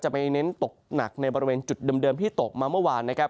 ไปเน้นตกหนักในบริเวณจุดเดิมที่ตกมาเมื่อวานนะครับ